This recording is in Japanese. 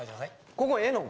ここええのん？